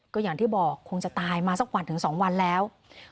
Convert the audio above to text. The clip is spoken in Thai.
ก็อย่างที่บอกคงจะตายมาสักวันถึง๒วันแล้ว